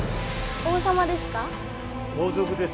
王族です。